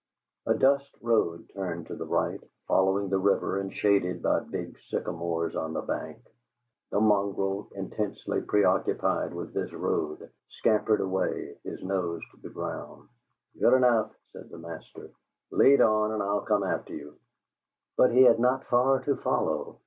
A dust road turned to the right, following the river and shaded by big sycamores on the bank; the mongrel, intensely preoccupied with this road, scampered away, his nose to the ground. "Good enough," said the master. "Lead on and I'll come after you." But he had not far to follow.